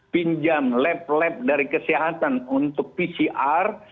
pinjam lab lab dari kesehatan untuk pcr